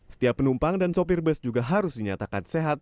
setiap penumpang dan sopir bus juga harus dinyatakan sehat